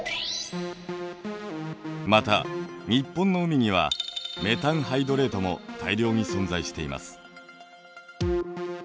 また日本の海にはメタンハイドレートも大量に存在しています。